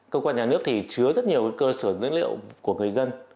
cơ quan nhà nước thì chứa rất nhiều cơ sở dữ liệu của người dân